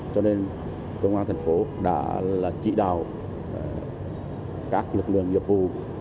cho nên công an thành phố đã là chỉ đạo các lực lượng nhiệm vụ